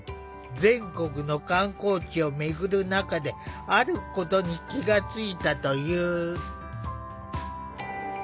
全国の観光地を巡る中であることに気が付いたという。